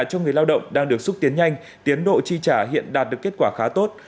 cho người lao động đang được xúc tiến nhanh tiến độ chi trả hiện đạt được kết quả khá tốt